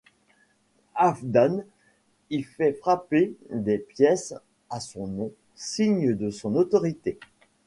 Halfdan y fait frapper des pièces à son nom, signe de son autorité.